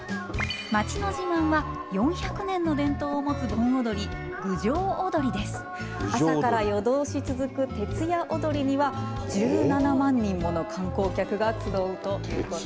町の自慢は４００年の伝統を持つ盆踊り朝から夜通し続く徹夜踊りには１７万人もの観光客が集うということです。